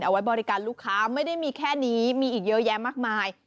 เอาไว้บริการลูกค้าไม่ได้มีแค่นี้มีอีกเยอะแยะมากมาย